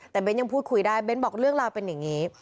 แต่เน้นยังพูดคุยได้เบ้นบอกเรื่องราวเป็นอย่างนี้